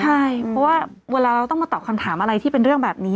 ใช่เพราะว่าเวลาเราต้องมาตอบคำถามอะไรที่เป็นเรื่องแบบนี้